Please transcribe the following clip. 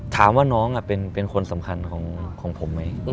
ถามว่าน้องเป็นคนสำคัญของผมไหม